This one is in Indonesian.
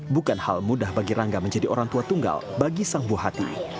bukan hal mudah bagi rangga menjadi orang tua tunggal bagi sang buah hati